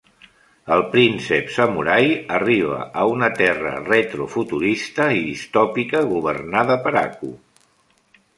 El príncep samurai arriba a una Terra retrofuturista i distòpica governada per Aku.